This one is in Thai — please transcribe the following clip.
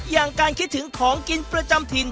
อย่างการคิดถึงของกินประจำถิ่น